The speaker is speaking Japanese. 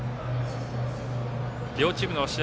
両チームの試合